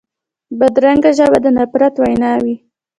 بدرنګه ژبه د نفرت وینا وي